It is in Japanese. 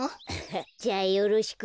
じゃあよろしく。